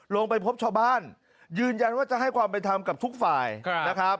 ลงไปพบชาวบ้านยืนยันว่าจะให้ความเป็นธรรมกับทุกฝ่ายนะครับ